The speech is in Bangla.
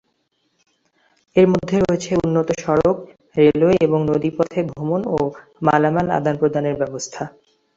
এর মধ্যে রয়েছে উন্নত সড়ক, রেলওয়ে এবং নদীপথে ভ্রমণ ও মালামাল আদান প্রদানের ব্যবস্থা।